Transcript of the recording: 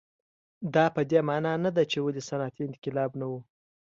دا په دې معنا نه ده چې ولې صنعتي انقلاب نه و.